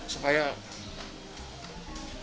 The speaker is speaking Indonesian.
supaya pasar ini